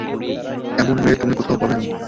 এমন মেয়ে তুমি কোথাও পাবে না কেন?